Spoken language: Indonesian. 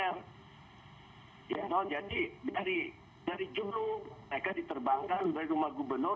ya jadi dari dulu mereka diterbangkan dari rumah gubernur